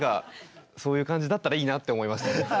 そういう感じだったらいいなって思いました。